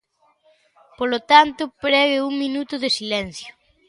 Polo tanto, prego un minuto de silencio.